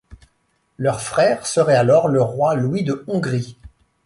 Leur frère serait alors le roi Louis de Hongrie.